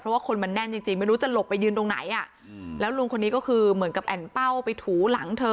เพราะว่าคนมันแน่นจริงไม่รู้จะหลบไปยืนตรงไหนอ่ะแล้วลุงคนนี้ก็คือเหมือนกับแอ่นเป้าไปถูหลังเธอ